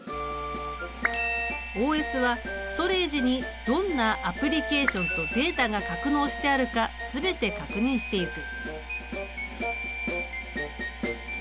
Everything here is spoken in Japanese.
ＯＳはストレージにどんなアプリケーションとデータが格納してあるか全て確認していく。